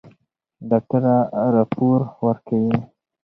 ډاکټره راپور ورکوي.